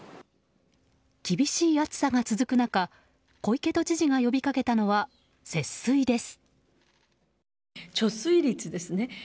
厳しい暑さが続く中小池都知事が呼び掛けたのは節水です。